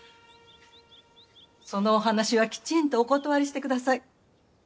そのお話はきちんとお断りしてください。